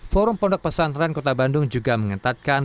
forum pondok pesantren kota bandung juga mengentatkan